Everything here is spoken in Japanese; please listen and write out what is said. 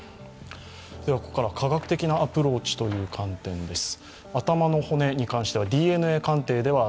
ここからは科学的なアプローチという観点です。